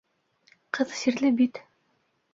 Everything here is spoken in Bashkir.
Ҡыҙ сирле бит.